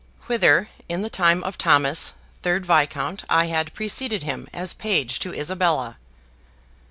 WHITHER IN THE TIME OF THOMAS, THIRD VISCOUNT, I HAD PRECEDED HIM AS PAGE TO ISABELLA.